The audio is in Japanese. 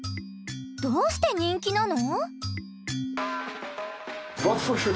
どうして人気なの？